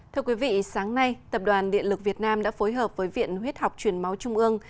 thưa quý vị sáng nay tập đoàn điện lực việt nam đã phối hợp với viện huyết học truyền máu trung ương